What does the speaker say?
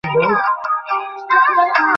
তিনি বহু পুরস্কার ও সদস্য পদ লাভ করেছেন।